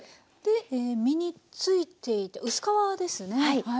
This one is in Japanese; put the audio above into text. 実についていて薄皮ですね。